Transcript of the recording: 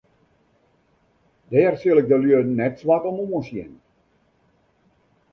Dêr sil ik de lju net swart om oansjen.